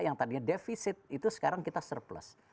yang tadinya defisit itu sekarang kita surplus